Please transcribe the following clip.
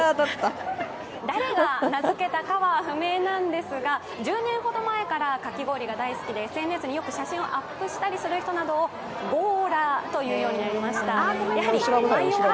誰が名付けたかは不明ですが１０年ほど前からかき氷が大好きでよくＳＮＳにアップする人をゴーラーと言うようになりました。